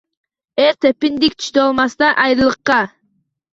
Er tepindik chidolmasdan ayriliqqa